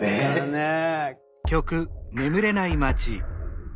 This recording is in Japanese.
ねえ！